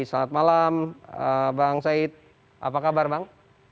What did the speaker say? selamat malam bang said apa kabar bang